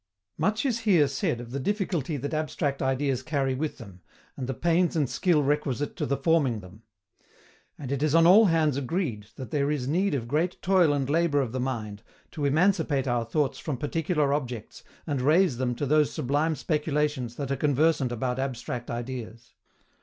Much is here said of the difficulty that abstract ideas carry with them, and the pains and skill requisite to the forming them. And it is on all hands agreed that there is need of great toil and labour of the mind, to emancipate our thoughts from particular objects, and raise them to those sublime speculations that are conversant about abstract ideas.